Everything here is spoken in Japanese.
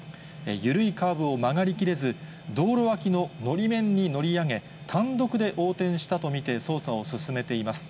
緩いカーブを曲がり切れず、道路脇ののり面に乗り上げ、単独で横転したと見て捜査を進めています。